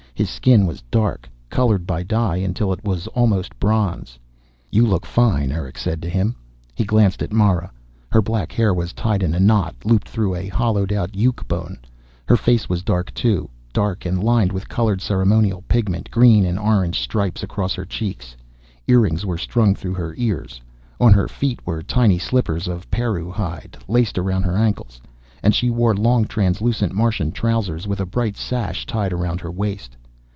His skin was dark, colored by dye until it was almost bronze. "You look fine," Erick said to him. He glanced at Mara. Her black hair was tied in a knot, looped through a hollowed out yuke bone. Her face was dark, too, dark and lined with colored ceremonial pigment, green and orange stripes across her cheeks. Earrings were strung through her ears. On her feet were tiny slippers of perruh hide, laced around her ankles, and she wore long translucent Martian trousers with a bright sash tied around her waist.